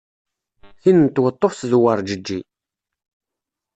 Tin n tweṭṭuft d uwerǧeǧi.